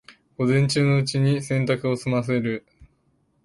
午前中のうちに洗濯を済ませる